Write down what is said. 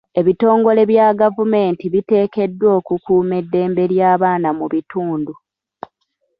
Ebitongole bya gavumenti biteekeddwa okukuuma eddembe ly'abaana mu bitundu.